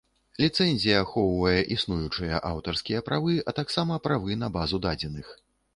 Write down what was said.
Ліцэнзія ахоўвае існуючыя аўтарскія правы, а таксама правы на базу дадзеных.